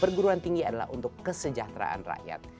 perguruan tinggi adalah untuk kesejahteraan rakyat